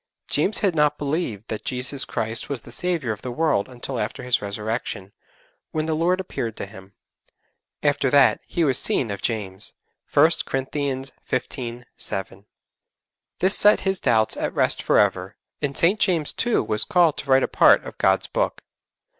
James had not believed that Jesus Christ was the Saviour of the world until after His Resurrection, when the Lord appeared to him. 'After that, He was seen of James.' (1 Corinthians xv. 7.) This set his doubts at rest for ever, and St. James too was called to write a part of God's Book.